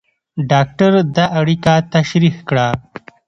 ډاکټر دا اړیکه تشریح کړه.